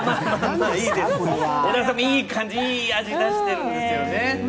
いい味出してるんですよね。